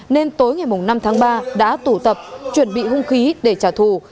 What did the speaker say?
nên tối ngày năm tháng ba đã tụ tập chuẩn bị hung khí để trả thù